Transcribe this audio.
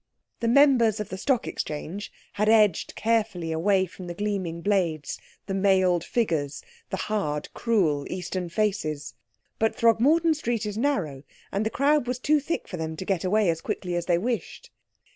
The members of the Stock Exchange had edged carefully away from the gleaming blades, the mailed figures, the hard, cruel Eastern faces. But Throgmorton Street is narrow, and the crowd was too thick for them to get away as quickly as they wished.